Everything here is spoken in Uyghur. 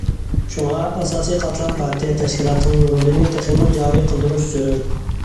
شۇڭا، ئاساسىي قاتلام پارتىيە تەشكىلاتىنىڭ رولىنى تېخىمۇ جارى قىلدۇرۇش زۆرۈر.